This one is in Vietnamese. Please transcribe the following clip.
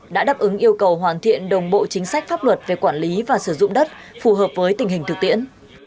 đã đáp ứng yêu cầu hoàn thiện đồng bộ chính sách pháp luật về quản lý và sử dụng đất phù hợp với tình hình thực tiễn